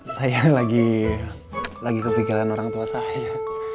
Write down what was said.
saya yang lagi kepikiran orang tua saya